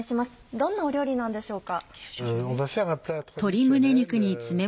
どんな料理なんでしょうか？